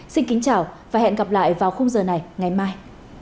xin kính chào và hẹn gặp lại vào khung giờ này ngày mai